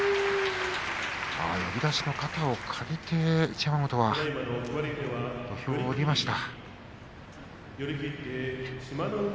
呼出しの肩を借りて一山本は土俵を下りました。